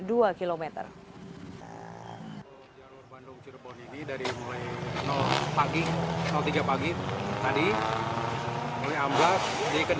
jalan nasional bandung cirebon ini mulai pagi tiga pagi tadi